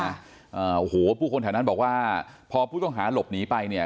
อ่าโอ้โหผู้คนแถวนั้นบอกว่าพอผู้ต้องหาหลบหนีไปเนี่ย